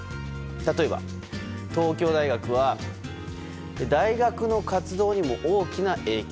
例えば、東京大学は大学の活動にも大きな影響。